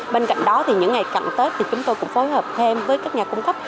bên cạnh đó những ngày cặn tết chúng tôi cũng phối hợp thêm với các nhà cung cấp